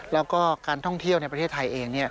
แล้วก็การท่องเที่ยวในประเทศไทยเอง